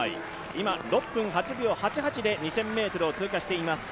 今、６分８秒８８で２０００ｍを通過しています。